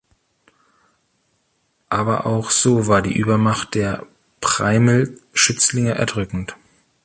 Aber auch so war die Übermacht der Preiml-Schützlinge erdrückend.